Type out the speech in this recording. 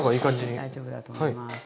大丈夫だと思います。